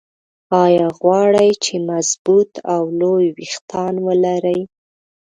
ايا غواړئ چې مضبوط او لوى ويښتان ولرى؟